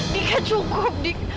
dika cukup dik